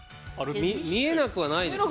見えなくはないですよね。